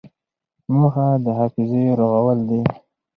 موخه د حافظې رغول دي.